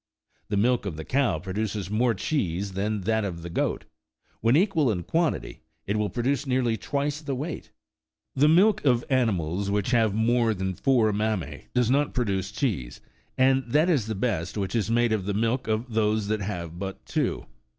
The milk of the cow produces more cheese than that of the goat : when equal in quantity, it will produce nearly twice the weight. The milk of animals which have more than four mammas does not produce cheese ; and that is the best which is made of the milk of those that have but two.